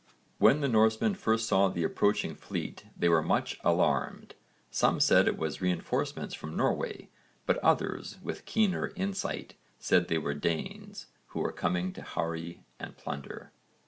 When the Norsemen first saw the approaching fleet they were much alarmed. Some said it was reinforcements from Norway, but others, with keener insight, said they were Danes who were coming to harry and plunder.